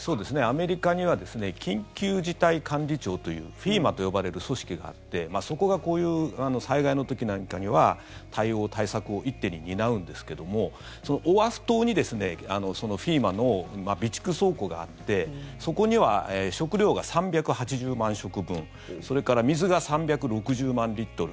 アメリカには緊急事態管理庁というＦＥＭＡと呼ばれる組織があってそこがこういう災害の時なんかには対応・対策を一手に担うんですけどもオアフ島にＦＥＭＡの備蓄倉庫があってそこには食料が３８０万食分それから水が３６０万リットル